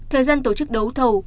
thời gian tổ chức đấu thầu